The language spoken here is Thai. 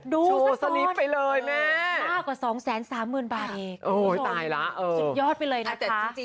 ดูซักพันมากกว่า๒๓๐๐๐๐บาทเองสุดยอดไปเลยนะคะ